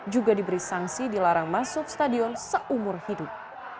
juga diberi sanksi dilarang masuk stadion seumur hidup